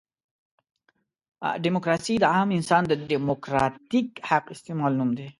ډیموکراسي د عام انسان د ډیموکراتیک حق استعمال نوم دی.